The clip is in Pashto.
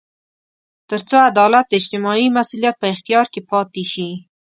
تر څو عدالت د اجتماعي مسوولیت په اختیار کې پاتې شي.